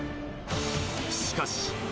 しかし。